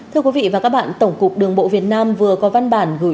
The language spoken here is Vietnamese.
thưa quý vị và các bạn tổng cục đường bộ việt nam vừa có văn bản gửi